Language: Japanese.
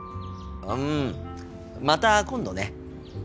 うんまた今度ね。